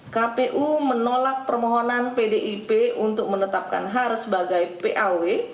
kpu menolak permohonan pdip untuk menetapkan har sebagai paw